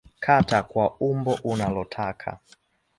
Kata kwa umbo unalotaka